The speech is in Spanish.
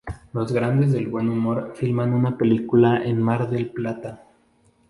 Los Grandes del Buen Humor filman una película en Mar del Plata.